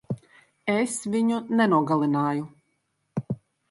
Es viņu nenogalināju.